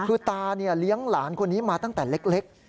คือตาเลี้ยงหลานคนนี้มาตั้งแต่เล็ก